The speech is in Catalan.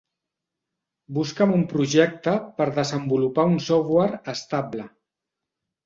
Busca'm un projecte per desenvolupar un software estable.